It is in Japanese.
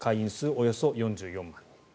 およそ４４万人。